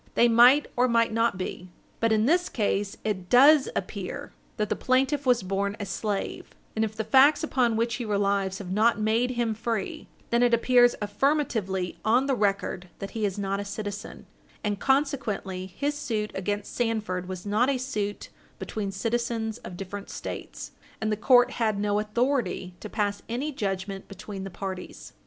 They might or might not be . But in this case it does appear that the plaintiff was born a slave, and if the facts upon which he relies have not made him free, then it appears affirmatively on the record that he is not a citizen, and consequently his suit against Sandford was not a suit between citizens of different States, and the court had no authority to pass any judgment between the parties.